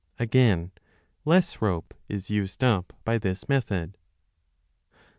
Again, less rope 3 is used up by this method.